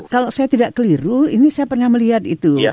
kalau saya tidak keliru ini saya pernah melihat itu